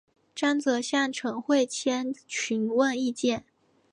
张则向陈惠谦询问意见。